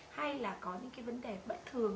hay là có những cái vấn đề bất thường